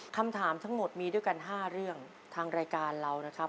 คำถามทั้งหมดมีด้วยกัน๕เรื่องทางรายการเรานะครับ